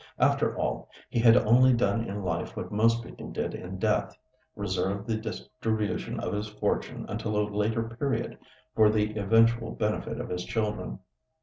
After all, he had only done in life what most people did in death—reserved the distribution of his fortune until a later period, for the eventual benefit of his children.